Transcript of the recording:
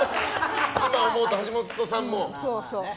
今思うと、橋下さんも。